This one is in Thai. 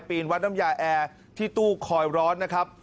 นวัดน้ำยาแอร์ที่ตู้คอยร้อนนะครับ